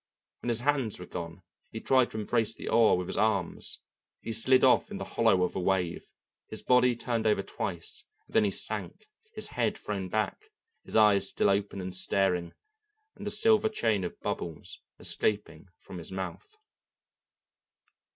When his hands were gone, he tried to embrace the oar with his arms. He slid off in the hollow of a wave, his body turned over twice, and then he sank, his head thrown back, his eyes still open and staring, and a silver chain of bubbles escaping from his mouth.